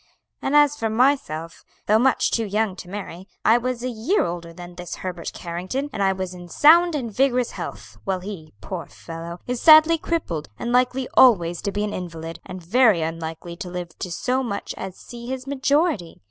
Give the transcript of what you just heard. And as for myself, though much too young to marry, I was a year older than this Herbert Carrington; and I was in sound and vigorous health, while he, poor fellow, is sadly crippled, and likely always to be an invalid, and very unlikely to live to so much as see his majority.